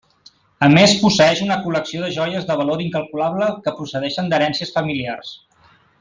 A més posseeix una col·lecció de joies de valor incalculable que procedeixen d'herències familiars.